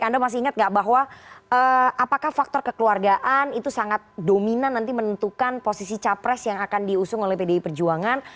anda masih ingat nggak bahwa apakah faktor kekeluargaan itu sangat dominan nanti menentukan posisi capres yang akan diusung oleh pdi perjuangan